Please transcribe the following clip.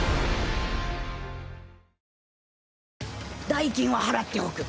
代金は払っておく。